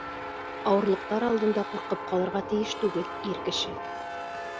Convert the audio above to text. Ауырлыҡтар алдында ҡурҡып ҡалырға тейеш түгел ир кеше.